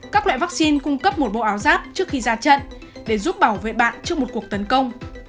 các loại vaccine cung cấp một bộ áo giáp trước khi ra trận để giúp bảo vệ bạn trước một cuộc tấn công